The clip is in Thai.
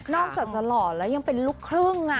อกจากจะหล่อแล้วยังเป็นลูกครึ่ง